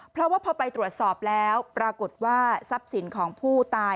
เพราะว่าพอไปตรวจสอบแล้วปรากฏว่าทรัพย์สินของผู้ตาย